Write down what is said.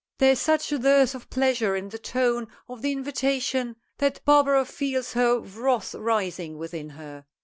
There is such a dearth of pleasure in the tone of the invitation that Barbara feels her wrath rising within her.